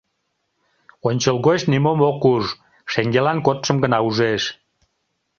Ончылгоч нимом ок уж, шеҥгелан кодшым гына ужеш.